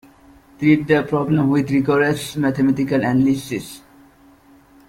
Treat the problem with rigorous mathematical analysis.